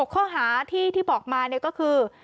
ข้อหาที่บอกมาก็คือ